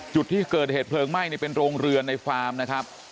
จุดที่เกิดเหตุเพลิงไหม้เป็นโรงเรือนในฟาร์มนะครับ